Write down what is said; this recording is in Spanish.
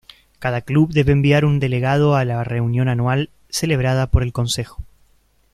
Cada club debe enviar un delegado a la reunión anual celebrada por el consejo.